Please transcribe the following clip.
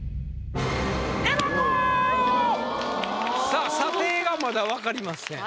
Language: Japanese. さぁ査定がまだ分かりません。